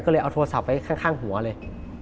ก็เลยเอาโทรศัพท์ไว้ข้างหัวเลย